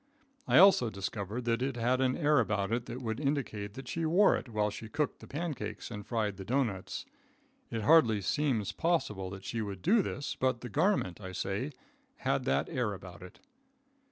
I also discovered, that it had an air about it that would indicate that she wore it while she cooked the pancakes and fried the doughnuts. It hardly seems possible that she would do this, but the garment, I say, had that air about it.